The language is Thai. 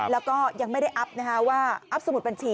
แล้วก็ยังไม่ได้อัพสมุดบัญชี